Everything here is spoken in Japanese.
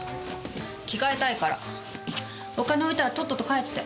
着替えたいからお金置いたらとっとと帰って。